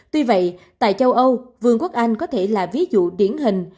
tuy vậy tại châu âu vương quốc anh có thể là ví dụ điển hình